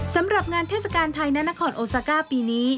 สำหรับงานเทศกาลไทยณนครโอซาก้าปีนี้